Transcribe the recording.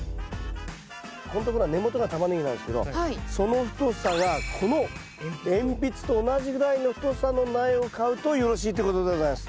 ここの所は根元がタマネギなんですけどその太さがこの鉛筆と同じぐらいの太さの苗を買うとよろしいということでございます。